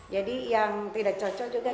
yang tidak cocok juga